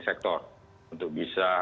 sektor untuk bisa